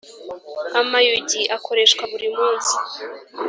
Amayugi akoreshwa burimunsi.